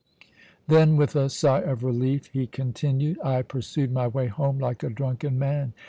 Then, with a sigh of relief, he continued: "I pursued my way home like a drunken man.